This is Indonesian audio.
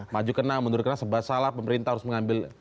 maju kena mundur kena sebab salah pemerintah harus mengambil